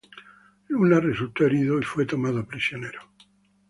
Luna resultó herido y fue tomado prisionero.